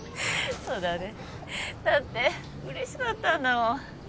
そうだねだって嬉しかったんだもん